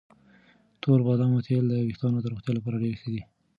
د تور بادامو تېل د ویښتانو د روغتیا لپاره ډېر ښه دي.